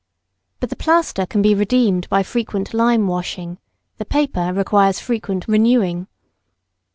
But the plaster can be redeemed by frequent lime washing; the paper requires frequent renewing.